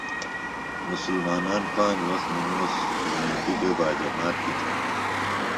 مسلمانان پانج وخت نموس جُمیتی بےۡ باجمات کیۡ تھانہ۔